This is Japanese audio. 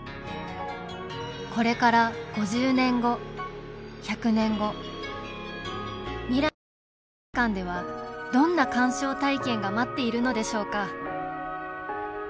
これから５０年後１００年後「未来の博物館」ではどんな鑑賞体験が待っているのでしょうか